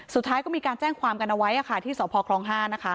สุดท้ายก็มีการแจ้งความกันเอาไว้ที่สพคล๕นะคะ